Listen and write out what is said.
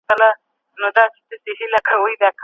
موږ خپل ټول مسؤليتونه په سمه توګه ادا کړي دي.